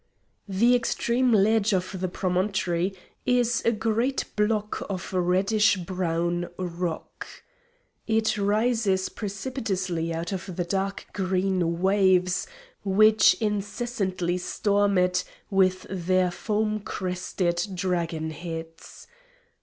The extreme ledge of the promontory is a great block of reddish brown rock. It rises precipitously out of the dark green waves, which incessantly storm it with their foam crested dragon heads.